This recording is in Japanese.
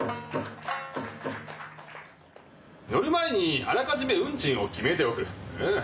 乗る前にあらかじめ運賃を決めておく。